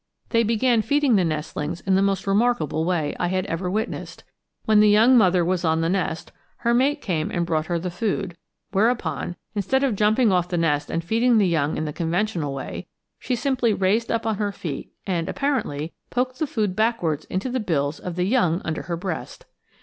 They began feeding the nestlings in the most remarkable way I had ever witnessed. When the young mother was on the nest her mate came and brought her the food, whereupon, instead of jumping off the nest and feeding the young in the conventional way, she simply raised up on her feet and, apparently, poked the food backwards into the bills of the young under her breast!